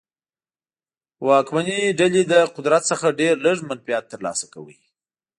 واکمنې ډلې له قدرت څخه ډېر لږ منفعت ترلاسه کاوه.